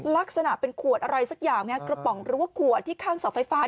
แล้วก็เอาไปวางที่พื้น